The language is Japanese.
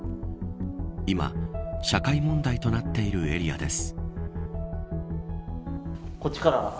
今、社会問題となっているエリアです。